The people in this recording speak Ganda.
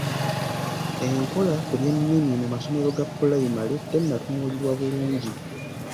Enkola ku by'ennimi mu masomero ga pulayimale tennatunuulirwa bulungi.